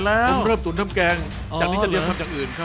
ผมเริ่มตุ๋นทำแกงจากนี้จะเรียนทำอย่างอื่นครับ